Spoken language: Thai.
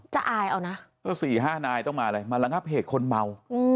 จะอายเอานะก็สี่ห้านายต้องมามาหลังฮัศเหตุคนเมา